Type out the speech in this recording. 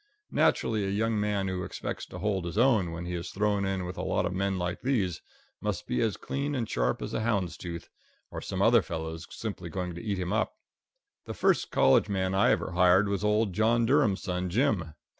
Naturally, a young man who expects to hold his own when he is thrown in with a lot of men like these must be as clean and sharp as a hound's tooth, or some other fellow's simply going to eat him up. The first college man I ever hired was old John Durham's son, Jim.